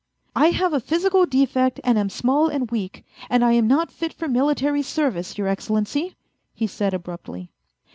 "I have a physical defect and am small and weak, and I am not fit for military service, Your Excellency," he said abruptly.